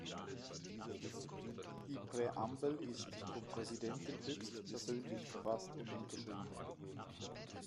Die Präambel ist vom Präsidenten höchstpersönlich verfasst und unterschrieben.